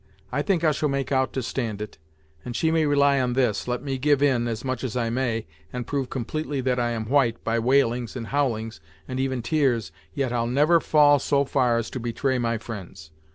I think I shall make out to stand it, and she may rely on this, let me give in, as much as I may, and prove completely that I am white, by wailings, and howlings, and even tears, yet I'll never fall so far as to betray my fri'nds.